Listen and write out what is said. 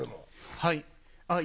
はい。